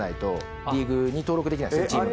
チームが。